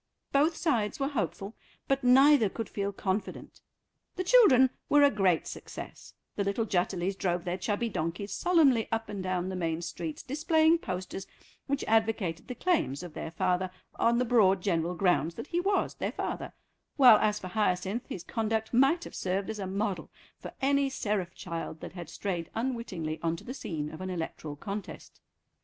Both sides were hopeful, but neither could feel confident. The children were a great success; the little Jutterlys drove their chubby donkeys solemnly up and down the main streets, displaying posters which advocated the claims of their father on the broad general grounds that he was their father, while as for Hyacinth, his conduct might have served as a model for any seraph child that had strayed unwittingly on to the scene of an electoral contest.